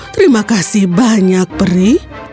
terima kasih banyak pri